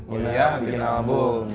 kuliah bikin album